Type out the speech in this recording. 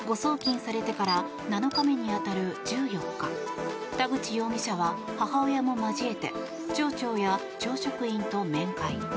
誤送金されてから７日目に当たる１４日田口容疑者は母親も交えて町長や町職員と面会。